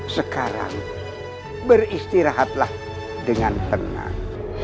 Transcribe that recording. sekarang beristirahatlah dengan tenang